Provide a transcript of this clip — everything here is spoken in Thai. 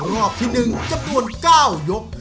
รอบที่๑ที่จะเป็น๙ยก